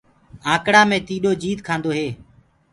آنڪڙآ مي ٽيڏو جيت ڪآندو هي۔